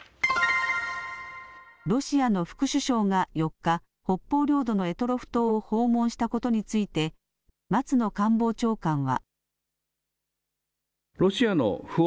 ロシアの副首相が４日、北方領土の択捉島を訪問したことについて松野官房長官は。